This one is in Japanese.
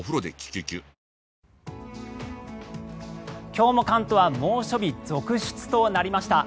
今日も関東は猛暑日続出となりました。